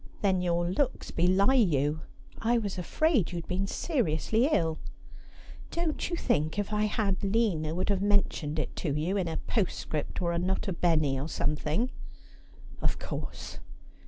' Then your looks belie you. I was afraid you had been seriously ill.' ' Don't you think if I had Lina would have mentioned it to you in a postscript, or a nota bene, or something?' ' Of course.'